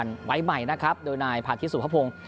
ใช้ถ้วยรางวัลไว้ใหม่นะครับโดยนายผ่านทิศสุภพงศ์